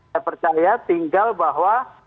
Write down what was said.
saya percaya tinggal bahwa